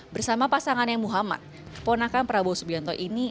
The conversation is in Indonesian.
bersama pasangannya muhammad ponakan prabowo subianto ini